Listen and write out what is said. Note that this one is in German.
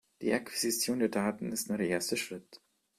Die Akquisition der Daten ist nur der erste Schritt.